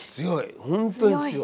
本当に強い。